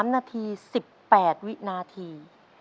๓นาที๑๘วินาที